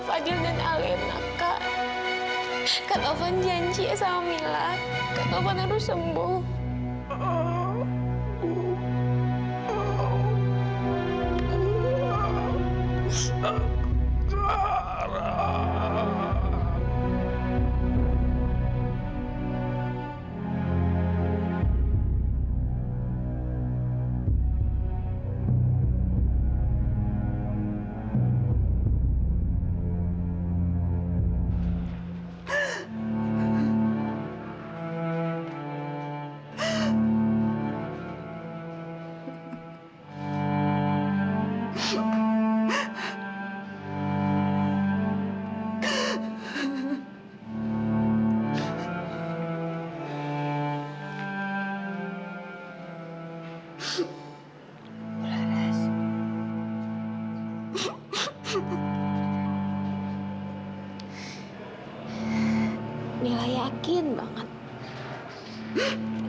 izininkan kak taufan untuk kembali bersama keluarganya ya bu